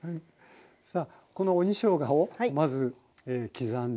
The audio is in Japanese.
さあこの鬼しょうがをまず刻んで。